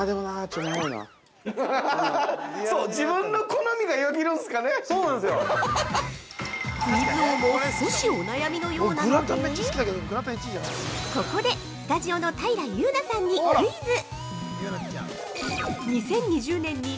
◆クイズ王も少しお悩みのようなのでここで、スタジオの平祐奈さんにクイズ！